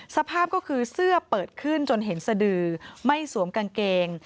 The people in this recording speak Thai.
สภาพก็คือเสื้อเปิดขึ้นจนเห็นสดือไม่สวมกางเกง